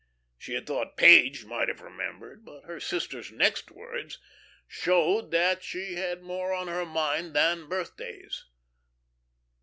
She had thought Page might have remembered, but her sister's next words showed that she had more on her mind than birthdays.